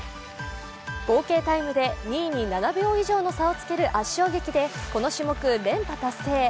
合計タイムで２位に７秒以上の差をつける圧勝で、この種目、連覇達成。